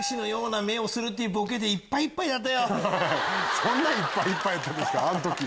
そんないっぱいいっぱいやったんすか。